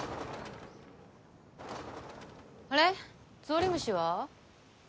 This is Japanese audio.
あれゾウリムシは？